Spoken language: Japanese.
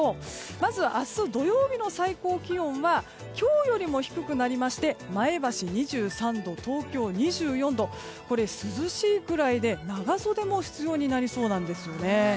まず、明日土曜日の最高気温今日より低くなりまして前橋２３度、東京２４度涼しいくらいで、長袖も必要になりそうなんですよね。